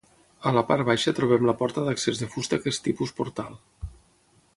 A la part baixa trobem la porta d'accés de fusta que és tipus portal.